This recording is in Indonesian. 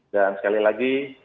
dan sekali lagi